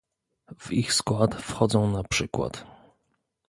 W ich skład wchodzą na przykład